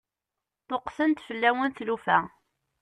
Ṭṭuqqtent fell-awen tlufa.